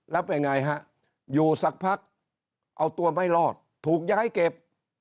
แล้วเป็นไงฮะอยู่สักพักเอาตัวไม่รอดถูกย้ายเก็บ